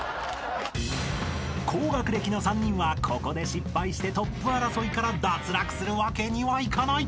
［高学歴の３人はここで失敗してトップ争いから脱落するわけにはいかない］